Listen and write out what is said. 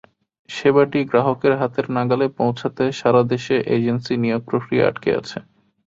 সেবাটি গ্রাহকের হাতের নাগালে পৌঁছাতে সারা দেশে এজেন্সি নিয়োগ-প্রক্রিয়া আটকে আছে।